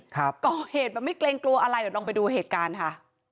ก่อเหตุแบบไม่เกรงกลัวอะไรเดี๋ยวลองไปดูเหตุการณ์ค่ะ